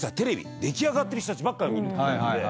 出来上がってる人たちばっか見るって感じで。